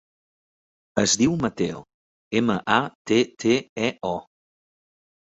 Es diu Matteo: ema, a, te, te, e, o.